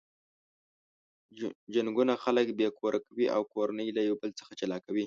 جنګونه خلک بې کوره کوي او کورنۍ له یو بل څخه جلا کوي.